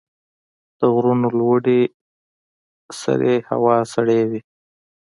د غرونو لوړې سرې هوا سړې وي.